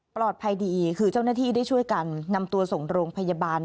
ดีคือเจ้าหน้าที่ได้ช่วยกันนำตัวส่งโรงพยาบาล